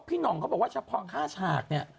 หน่องเขาบอกว่าเฉพาะ๕ฉากเนี่ย